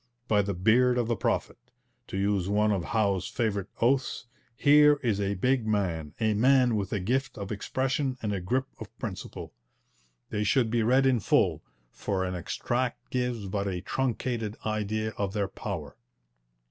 'By the beard of the prophet!' to use one of Howe's favourite oaths here is a big man, a man with a gift of expression and a grip of principle. They should be read in full, for an extract gives but a truncated idea of their power.